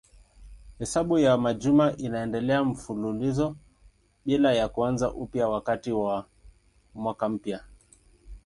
Hesabu ya majuma inaendelea mfululizo bila ya kuanza upya wakati wa mwaka mpya.